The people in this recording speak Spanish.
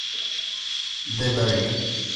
The Verge.